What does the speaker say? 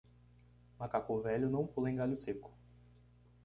Macaco velho não pula em galho seco.